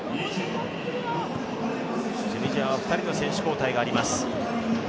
チュニジアは２人の選手交代があります。